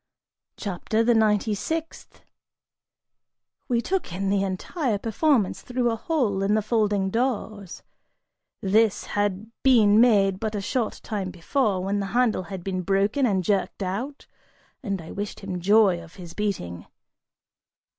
CHAPTER THE NINETY SIXTH. We took in the entire performance through a hole in the folding doors: this had been made but a short time before, when the handle had been broken and jerked out, and I wished him joy of his beating.